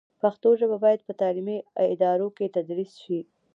پښتو ژبه باید په تعلیمي ادارو کې تدریس شي.